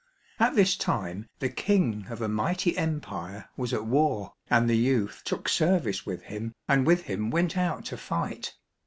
At this time the King of a mighty empire was at war, and the youth took service with him, and with him went out to fight.